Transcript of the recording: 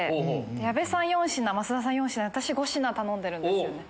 矢部さん４品増田さん４品私５品頼んでるんですよね。